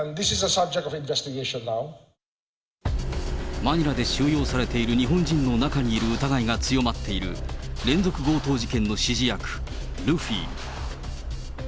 マニラで収容されている日本人の中にいる疑いが強まっている、連続強盗事件の指示役、ルフィ。